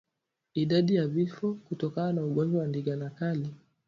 Idadi ya vifo kutokana na ugonjwa wa ndigana kali